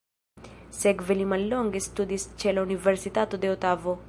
Sekve li mallonge studis ĉe la Universitato de Otavo.